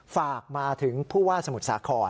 ฝากมาถึงผู้ว่าสมุทรสาคร